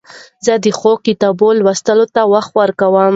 زه د ښو کتابو لوستلو ته وخت ورکوم.